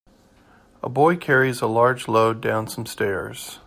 A boy carries a large load down some stairs.